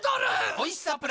おいしさプラス